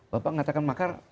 bapak mengatakan makar